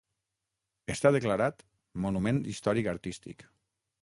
Està declarat Monument Històric Artístic.